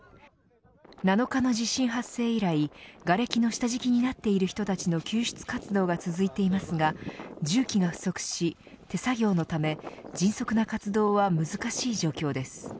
７日の地震発生以来がれきの下敷きになっている人たちの救出活動が続いていますが重機が不足し、手作業のため迅速な活動は難しい状況です。